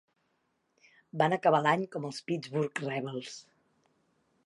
Van acabar l'any com els Pittsburgh Rebels.